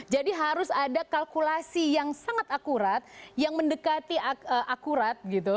jadi harus ada kalkulasi yang sangat akurat yang mendekati akurat gitu